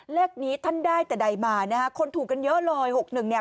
เลขนี้ท่านได้แต่ใดมาคนถูกกันเยอะเลยหกหนึ่งเนี้ย